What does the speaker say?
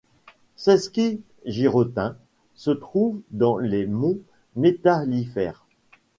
Český Jiřetín se trouve dans les monts Métallifères.